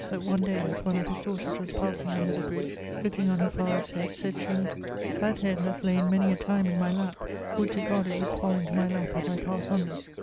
that one day as one of his daughters was passing under the bridge, looking on her father's head, sayd she, 'That head haz layn many a time in my lapp, would to God it would fall into my lap as I passe under.'